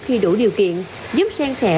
khi đủ điều kiện giúp sen sẻ